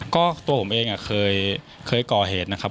ก็ตัวผมเองเคยก่อเหตุนะครับ